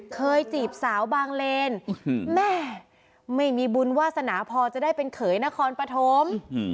จีบสาวบางเลนแม่ไม่มีบุญวาสนาพอจะได้เป็นเขยนครปฐม